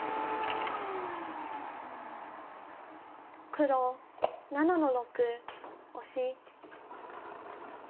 黒７の六オシ。